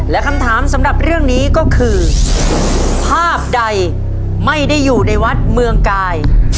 และคำถามสำหรับเรื่องนี้ก็คือภาพใดไม่ได้อยู่ในวัดเมืองกาย